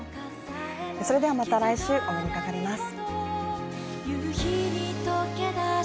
それでは、また来週お目にかかります。